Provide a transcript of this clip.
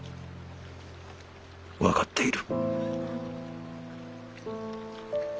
分かっている。